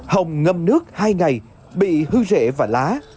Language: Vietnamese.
hồng ngâm nước hai ngày bị hư rệ và lá